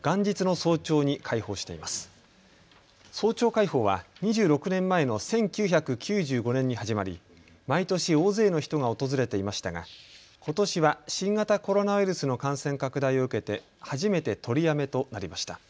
早朝開放は２６年前の１９９５年に始まり毎年大勢の人が訪れていましたがことしは新型コロナウイルスの感染拡大を受けて初めて取りやめとなりました。